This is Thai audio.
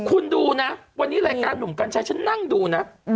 คุณดูนะวันนี้รายการหนุ่มกัญชัยฉันนั่งดูนะ